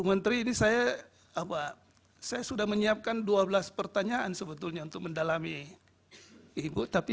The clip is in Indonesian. menteri ini saya apa saya sudah menyiapkan dua belas pertanyaan sebetulnya untuk mendalami ibu tapi